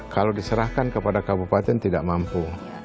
kalau diserahkan kepada kabupaten tidak mampu